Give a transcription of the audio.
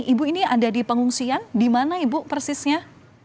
ibu ini ada di pengungsian di mana ibu persisnya